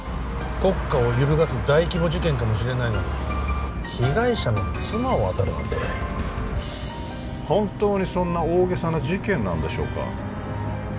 国家を揺るがす大規模事件かもしれないのに被害者の妻を当たるなんて本当にそんな大げさな事件なんでしょうか